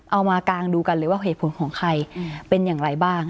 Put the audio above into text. มากางดูกันเลยว่าเหตุผลของใครเป็นอย่างไรบ้าง